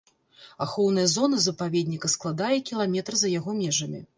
Ахоўная зона запаведніка складае кіламетр за яго межамі.